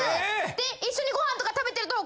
で一緒にご飯とか食べてると。